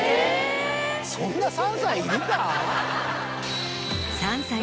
そんな３歳いるか？